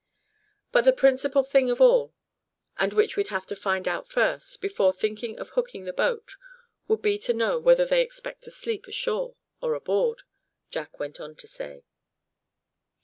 "But the principal thing of all, and which we'd have to find out first, before thinking of hooking the boat, would be to know whether they expect to sleep ashore, or aboard," Jack went on to say.